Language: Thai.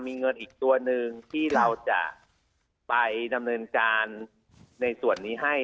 มีเงินอีกตัวหนึ่งที่เราจะไปดำเนินการในส่วนนี้ให้